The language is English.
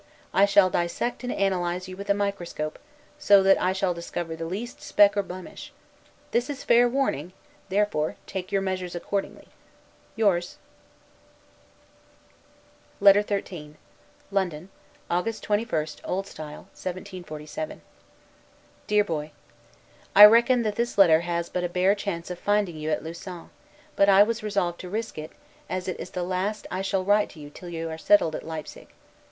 I shall dissect and analyze you with a microscope; so that I shall discover the least speck or blemish. This is fair warning; therefore take your measures accordingly. Yours. LETTER XIII LONDON, August 21, O. S. 1747. DEAR BOY: I reckon that this letter has but a bare chance of finding you at Lausanne; but I was resolved to risk it, as it is the last that I shall write to you till you are settled at Leipsig.